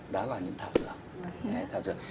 đó là những thảo dược